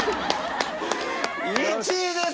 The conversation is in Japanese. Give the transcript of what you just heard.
１位です！